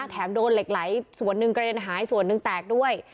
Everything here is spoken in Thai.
แถมโดนเหล็กไหลส่วนหนึ่งกระเด็นหายส่วนหนึ่งแตกด้วย